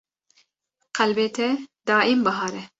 Qelbê te daîm bihar e